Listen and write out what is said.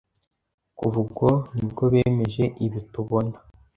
Kuva ubwo nibwo bemeje ibi tubona